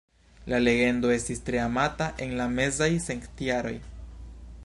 La legendo estis tre amata en la mezaj centjaroj.